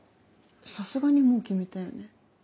さすがにもう決めたよね？